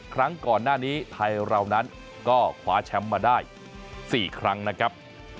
ครั้งก่อนหน้านี้ไทยเรานั้นก็คว้าแชมป์มาได้๔ครั้งนะครับ